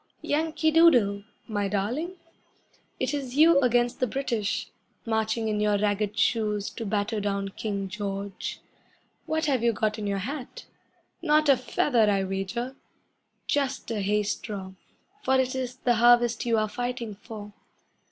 "Yankee Doodle," my Darling! It is you against the British, Marching in your ragged shoes to batter down King George. What have you got in your hat? Not a feather, I wager. Just a hay straw, for it is the harvest you are fighting for.